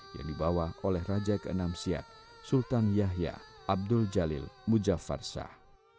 yang dibawa oleh raja ke enam siat sultan yahya abdul jalil mujafarsah